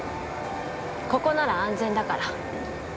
ここなら安全だから。